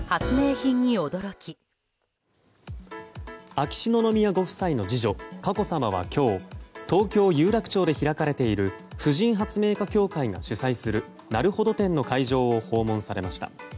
秋篠宮ご夫妻の次女・佳子さまは今日東京・有楽町で開かれている婦人発明家協会が主催するなるほど展の会場を訪問されました。